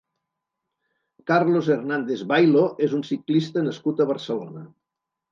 Carlos Hernández Bailo és un ciclista nascut a Barcelona.